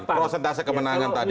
prosentase kemenangan tadi